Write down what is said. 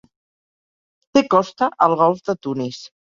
Té costa al golf de Tunis.